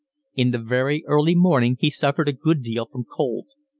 In the very early morning he suffered a good deal from cold.